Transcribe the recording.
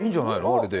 あれで。